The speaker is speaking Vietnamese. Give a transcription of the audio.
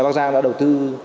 bắc giang đã đầu tư